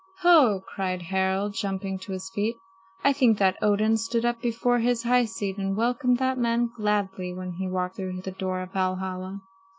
"Ho!" cried Harald, jumping to his feet. "I think that Odin stood up before his high seat and welcomed that man gladly when he walked through the door of Valhalla."